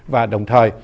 và đồng thời